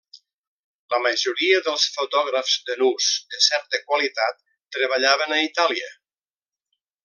La majoria dels fotògrafs de nus de certa qualitat treballaven a Itàlia.